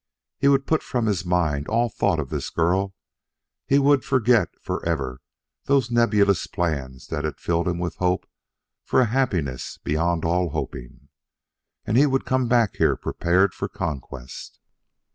He would put from his mind all thought of this girl; he would forget forever those nebulous plans that had filled him with hope for a happiness beyond all hoping. And he would come back here prepared for conquest.